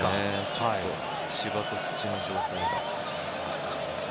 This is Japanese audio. ちょっと芝と土の状況が。